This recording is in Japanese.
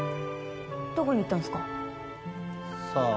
どこに行ったんすか？さあ？